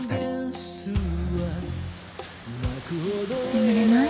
眠れない？